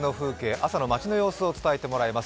朝の街の様子を伝えてもらいます。